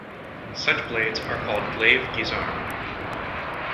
Such blades are called glaive-guisarmes.